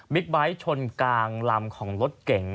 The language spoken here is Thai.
บิ๊กบิ๊กชนกลางลำของรถเก่ง